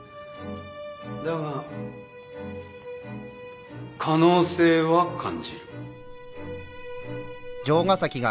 だが可能性は感じる